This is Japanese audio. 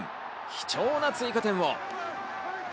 貴重な追加点を。